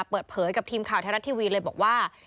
เปิดเผยกับทีมข่าวไทยรัฐทีวีเลยบอกว่า